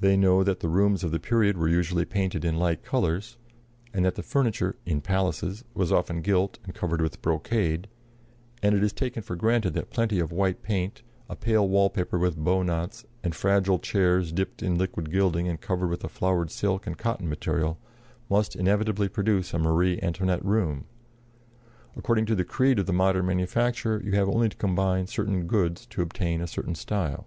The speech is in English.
They know that the rooms of the period were usually painted in light colors, and that the furniture (in palaces) was often gilt and covered with brocade; and it is taken for granted that plenty of white paint, a pale wall paper with bow knots, and fragile chairs dipped in liquid gilding and covered with a flowered silk and cotton material, must inevitably produce a "Marie Antoinette" room. According to the creed of the modern manufacturer, you have only to combine certain "goods" to obtain a certain style.